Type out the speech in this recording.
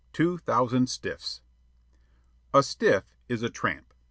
TWO THOUSAND STIFFS A "stiff" is a tramp.